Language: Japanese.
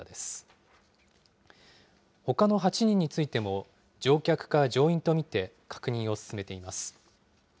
ほかの８人についても、乗客か乗員と見て確認を進めています。